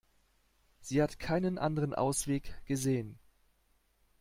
Sie hat keinen anderen Ausweg gesehen.